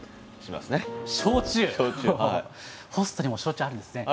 ホストにも焼酎あるんですね。